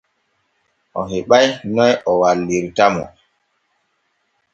O heɓa'i noy o wallirta mo.